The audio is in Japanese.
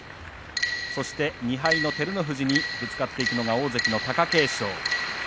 そして２敗の照ノ富士にぶつかっていくのが大関の貴景勝。